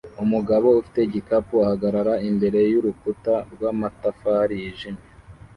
Umugabo ufite igikapu ahagarara imbere yurukuta rwamatafari yijimye